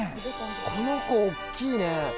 この子大っきいね。